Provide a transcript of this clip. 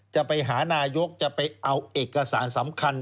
จะไปหานายกจะไปเอาเอกสารสำคัญ